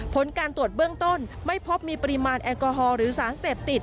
ผลการตรวจเบื้องต้นไม่พบมีปริมาณแอลกอฮอลหรือสารเสพติด